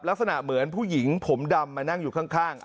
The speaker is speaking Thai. ลักษณะเหมือนผู้หญิงผมดำมานั่งอยู่ข้าง